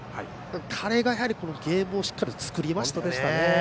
彼がやはりゲームをしっかり作りましたね。